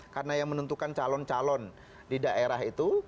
karena yang menentukan calon calon di daerah itu